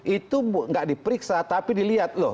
itu tidak diperiksa tapi dilihat loh